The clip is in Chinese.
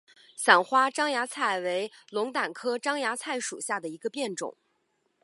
伞花獐牙菜为龙胆科獐牙菜属下的一个变种。